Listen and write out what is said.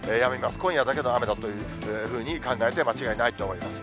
今夜だけの雨だというふうに考えて間違いないと思います。